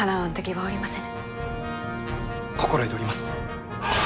心得ております！